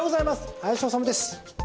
林修です。